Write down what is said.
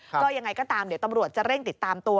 ก็ยังไงก็ตามเดี๋ยวตำรวจจะเร่งติดตามตัว